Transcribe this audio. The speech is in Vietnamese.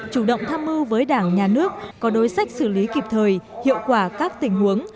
chủ động tham mưu với đảng nhà nước có đối sách xử lý kịp thời hiệu quả các tình huống